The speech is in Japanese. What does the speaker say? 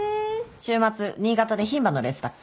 週末新潟で牝馬のレースだっけ？